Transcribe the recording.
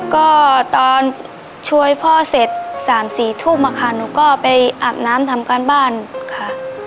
ก็ตอนช่วยพ่อเสร็จ๓๔ทุ่มค่ะหนูก็ไปอาบน้ำทำการบ้านค่ะ